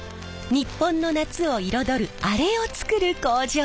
日本の夏を彩るアレを作る工場。